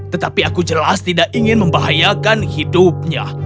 tetapi aku jelas tidak ingin membahayakan hidupnya